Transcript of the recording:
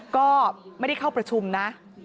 ก็ไม่ได้เข้าประชุมนะ